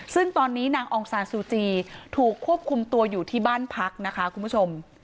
ซึ่งตอนนี้นางองซานซูจีถูกควบคุมตัวอยู่ที่บ้านพักนะคะคุณผู้ชม